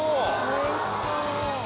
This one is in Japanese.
おいしそう。